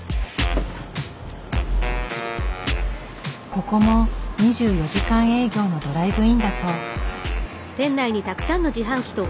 ここも２４時間営業のドライブインだそう。